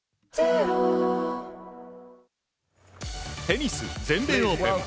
テニス、全米オープン。